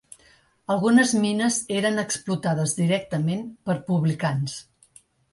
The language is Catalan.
Algunes mines eren explotades directament per publicans.